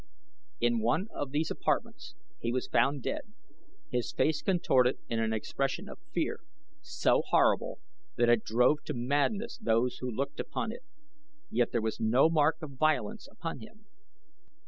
In one of these apartments he was found dead, his face contorted in an expression of fear so horrible that it drove to madness those who looked upon it; yet there was no mark of violence upon him.